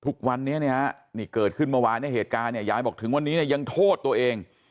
ทุกวันนี้นี้เกิดขึ้นเมื่อวานในเหตุการณ์ยายบอกถึงวันนี้ยังโทษตัวเอง